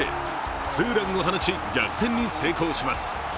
ツーランを放ち、逆転に成功します。